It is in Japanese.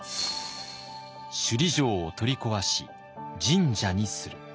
「首里城を取り壊し神社にする」。